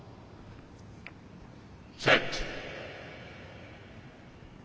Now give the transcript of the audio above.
「セット」。